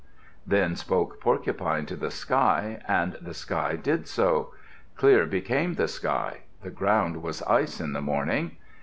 Then spoke Porcupine to the sky, and the sky did so. Clear became the sky. The ground was ice in the morning.